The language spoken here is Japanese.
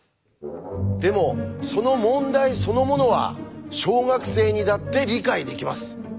でもその問題そのものは小学生にだって理解できます。